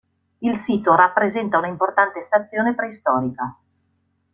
Il sito rappresenta una importante stazione preistorica.